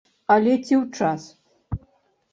Але ці ў час?